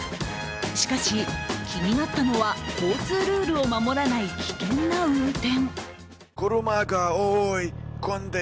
しかし、気になったのは交通ルールを守らない危険な運転。